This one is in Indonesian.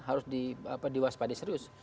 harus diwaspadi serius